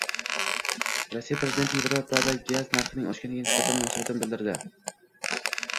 Rossiya prezidenti Yevropada gaz narxining oshganiga nisbatan munosabatini bildirdi